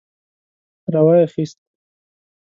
را وايي خيست.